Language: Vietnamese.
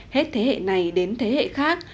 hết thế hệ này đến thế hệ khác